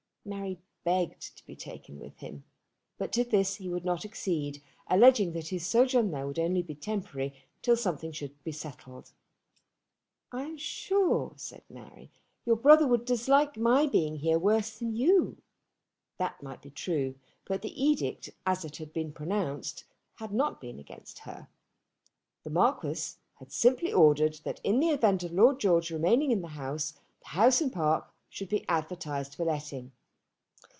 Mary begged to be taken with him, but to this he would not accede, alleging that his sojourn there would only be temporary, till something should be settled. "I am sure," said Mary, "your brother would dislike my being here worse than you." That might be true, but the edict, as it had been pronounced, had not been against her. The Marquis had simply ordered that in the event of Lord George remaining in the house, the house and park should be advertised for letting.